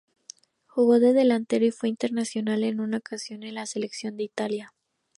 Jugó de delantero y fue internacional en una ocasión con la selección de Italia.